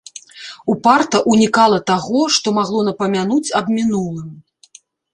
Упарта ўнікала таго, што магло напамянуць аб мінулым.